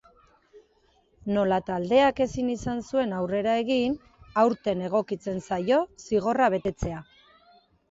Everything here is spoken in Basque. Nola taldeak ezin izan zuen aurrera egin, aurten egokitzen zaio zigorra betetzea.